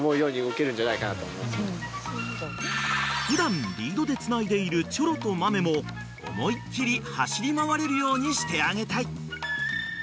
［普段リードでつないでいるチョロとマメも思いっ切り走り回れるようにしてあげたい］